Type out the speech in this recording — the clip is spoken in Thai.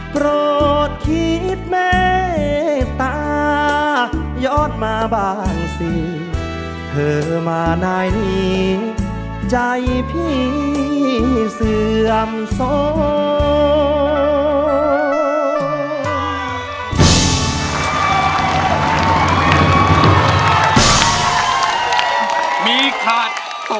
โกรธคิดแม่ตายอดมาบางสิเพื่อมานายนี้ใจพี่เสื่อมส่วน